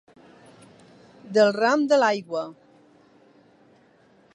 Del ram de l'aigua.